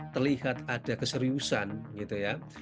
terlihat ada keseriusan gitu ya